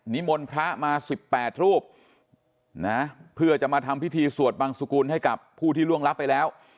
มนต์พระมา๑๘รูปนะเพื่อจะมาทำพิธีสวดบังสุกุลให้กับผู้ที่ล่วงรับไปแล้ว